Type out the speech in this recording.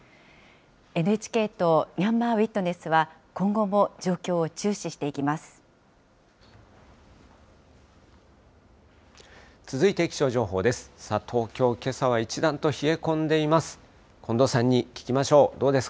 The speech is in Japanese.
ＮＨＫとミャンマー・ウィットネスは、今後も状況を注視していき続いて気象情報です。